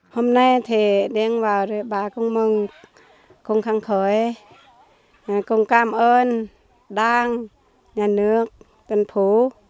hôm nay thì đến vào rồi bà cũng mừng cũng khẳng khởi cũng cảm ơn đảng nhà nước tân phố